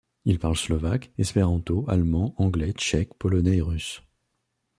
Il parle slovaque, espéranto, allemand, anglais, tchèque, polonais et russe.